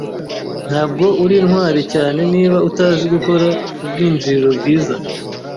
Ntabwo uri intwari cyane niba utazi gukora ubwinjiriro bwiza